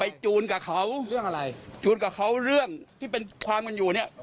จูนกับเขาเรื่องอะไรจูนกับเขาเรื่องที่เป็นความกันอยู่เนี่ย